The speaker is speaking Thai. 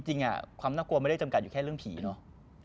จริงความน่ากลัวไม่ได้จำกัดอยู่แค่เรื่องผีเนาะ